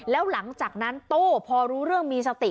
แล้วหลังจากนั้นโต้พอรู้เรื่องมีสติ